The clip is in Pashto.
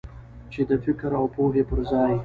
چې د فکر او پوهې پر ځای.